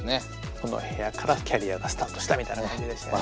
この部屋からキャリアがスタートしたみたいな感じでしてね。